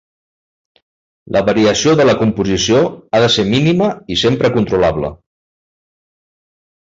La variació de la composició ha de ser mínima i sempre controlable.